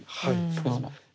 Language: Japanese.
そうですね。